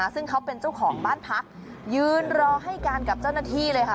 ซึ่งเขาเป็นเจ้าของบ้านพักยืนรอให้การกับเจ้าหน้าที่เลยค่ะ